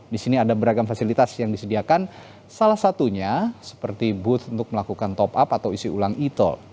di sini ada beragam fasilitas yang disediakan salah satunya seperti booth untuk melakukan top up atau isi ulang e tol